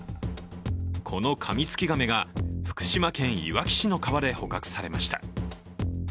このカミツキガメが福島県いわき市の川で捕獲されました。